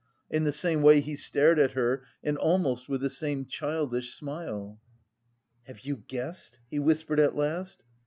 In the same way he stared at her and almost with the same childish smile. "Have you guessed?" he whispered at last.